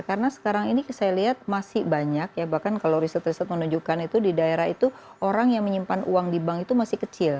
karena sekarang ini saya lihat masih banyak ya bahkan kalau riset riset menunjukkan itu di daerah itu orang yang menyimpan uang di bank itu masih kecil